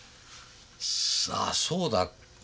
ああそうだ。